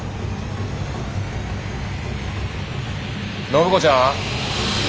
暢子ちゃん。